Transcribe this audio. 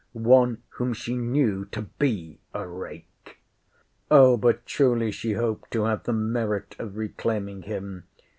one whom she knew to be a rake? Oh! but truly she hoped to have the merit of reclaiming him.